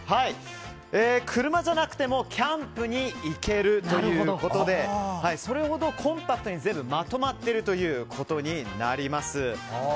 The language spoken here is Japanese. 車じゃなくてもキャンプに行けるということでそれほどコンパクトに全部まとまっているということになります。